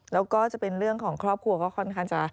แล้วก็จะเป็นเรื่องของครอบครัวก็ค่อนข้างจะ